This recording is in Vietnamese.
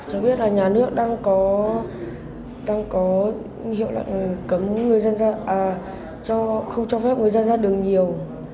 cháu biết là nhà nước đang có hiệu đoạn cấm người dân ra à không cho phép người dân ra đường nhiều